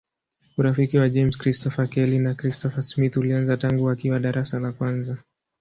Urafiki wa James Christopher Kelly na Christopher Smith ulianza tangu wakiwa darasa la kwanza.